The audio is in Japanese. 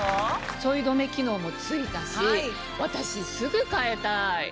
ちょい止め機能も付いたし私すぐ替えたい。